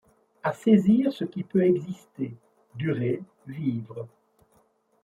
À saisir ce qui peut exister, durer, vivre